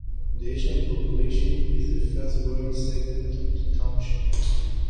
The Asian population is a fast-growing segment of the township.